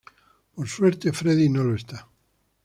Por suerte Freddy no lo está.